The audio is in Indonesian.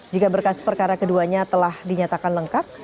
jika berkas perkara keduanya telah dinyatakan lengkap